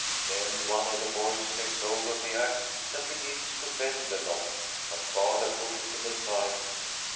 Then one of the boys takes hold of the axe and begins to bend the lock, but father pushes him aside.